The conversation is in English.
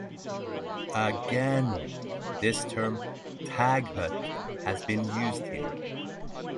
Again, this term "taghut" has been used here.